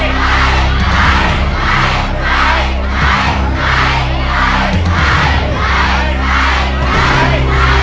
ใช้